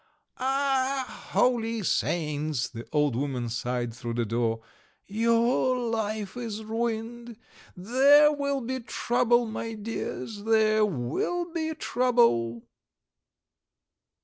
"Ah, holy Saints!" the old woman sighed through the door. "Your life is ruined! There will be trouble, my dears, there will be trouble!"